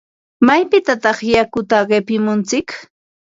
¿Maypitataq yakuta qipimuntsik?